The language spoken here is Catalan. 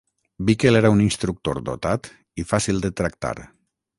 Bickel era un instructor dotat i fàcil de tractar.